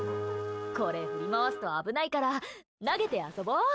これ、振り回すと危ないから投げて遊ぼう。